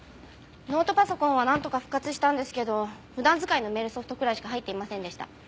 ノートパソコンはなんとか復活したんですけど普段使いのメールソフトくらいしか入っていませんでした。